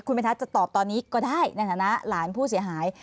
คุณพิทัศน์จะตอบตอนนี้ก็ได้ในฐานะหลานผู้เสียหาย